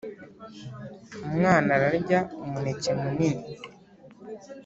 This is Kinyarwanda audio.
Umwana ararya umuneke munini